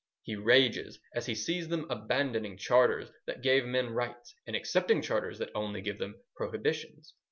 He rages as he sees them abandoning charters that gave men rights, and accepting charters that only give them prohibitions.